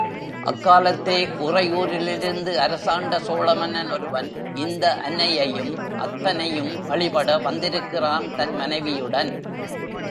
அக்காலத்தே உறையூரிலிருந்து அரசாண்ட சோழ மன்னன் ஒருவன், இந்த அன்னையையும் அத்தனையும் வழிபட வந்திருக்கிறான் தன் மனைவியுடன்.